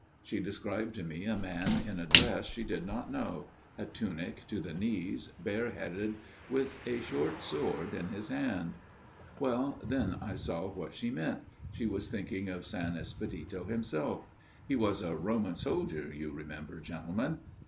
She described to me a man in a dress she did not know a tunic to the knees, bareheaded, with a short sword in his hand. Well, then I saw what she meant she was thinking 144 A MIRROR OF SHALOTT of S. Espedito himself. He was a Roman soldier, you remember, gentlemen